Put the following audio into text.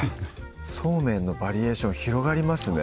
そうめんのバリエーション広がりますね